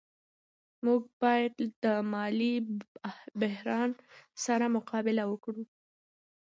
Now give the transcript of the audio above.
موږ باید له مالي بحران سره مقابله وکړو.